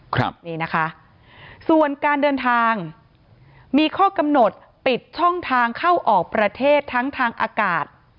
ครับนี่นะคะส่วนการเดินทางมีข้อกำหนดปิดช่องทางเข้าออกประเทศทั้งทางอากาศ